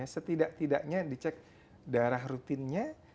setidak tidaknya dicek darah rutinnya